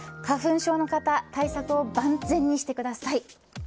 花粉症の方対策を万全にしてください。